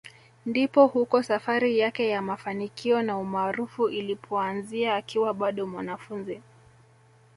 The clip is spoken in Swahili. Ndipo huko safari yake ya mafanikio na umaarufu ilipoanzia akiwa bado mwanafunzi